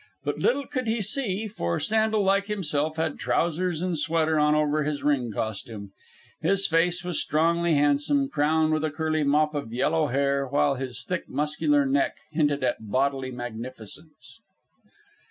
But little could he see, for Sandel, like himself, had trousers and sweater on over his ring costume. His face was strongly handsome, crowned with a curly mop of yellow hair, while his thick, muscular neck hinted at bodily magnificence.